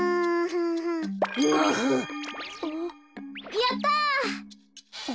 やった！